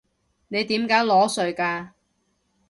你點解裸睡㗎？